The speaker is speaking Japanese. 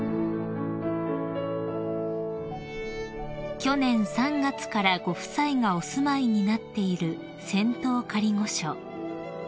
［去年３月からご夫妻がお住まいになっている仙洞仮御所］